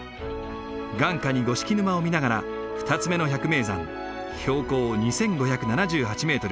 眼下に五色沼を見ながら２つ目の百名山標高２，５７８メートル